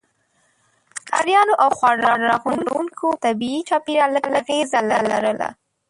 ښکاریانو او خواړه راغونډوونکو پر طبيعي چاپیریال لږ اغېزه لرله.